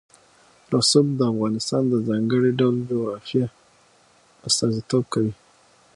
رسوب د افغانستان د ځانګړي ډول جغرافیه استازیتوب کوي.